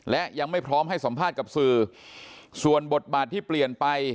และยังไม่พร้อมให้สัมภาษณ์กับสื่อส่วนบทบาทที่เปลี่ยนไป